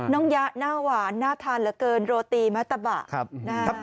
น้องยะหน้าหวานหน้าทานเหลือเกินโรตีมะตะบะ